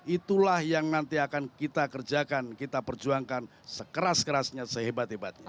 itulah yang nanti akan kita kerjakan kita perjuangkan sekeras kerasnya sehebat hebatnya